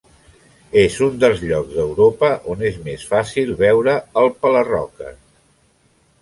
És un dels llocs d'Europa on és més fàcil veure el pela-roques.